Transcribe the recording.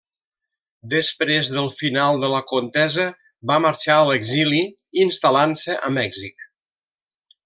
Després del final de la contesa va marxar a l'exili, instal·lant-se a Mèxic.